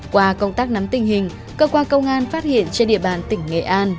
qua công tác nắm tình hình cơ quan công an phát hiện trên địa bàn tỉnh nghệ an